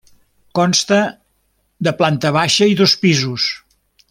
Consta de planta baixa i dos pisos.